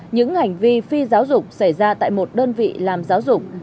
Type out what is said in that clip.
những hành vi phi giáo dục xảy ra tại một đơn vị làm giáo dục